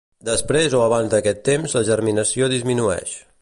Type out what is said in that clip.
Després o abans d'aquest temps la germinació disminueix.